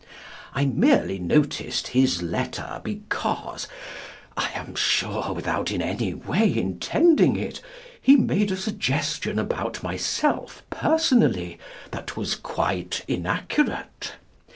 I merely noticed his letter because (I am sure without in any way intending it) he made a suggestion about myself personally that was quite inaccurate.